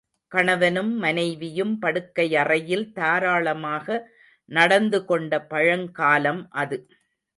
கணவனும் மனைவியும் படுக்கையறையில் தாராளமாக நடந்துகொண்ட பழங்காலம் அது.